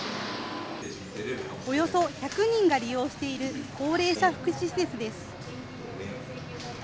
およそ１００人が利用している高齢者福祉施設です。